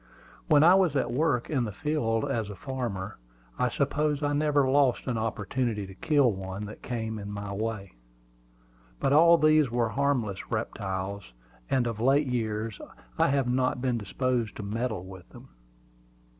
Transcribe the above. When I was at work in the field as a farmer, I suppose I never lost an opportunity to kill one that came in my way. But all these were harmless reptiles, and of late years I have not been disposed to meddle with them.